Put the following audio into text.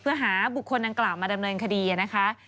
เพื่อหาบุคคลดังกล่าวมาดำเนินคดีนะคะ